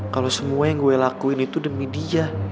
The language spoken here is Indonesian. kalau semua yang gue lakuin itu demi dia